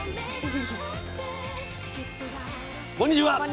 こんにちは！